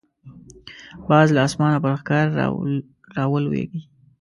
باز له اسمانه پر ښکار راولويږي